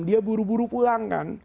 dia buru buru pulang kan